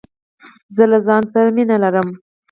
زه له ځانه سره مینه لرم.